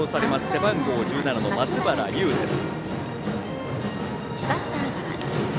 背番号１７の松原憂羽です。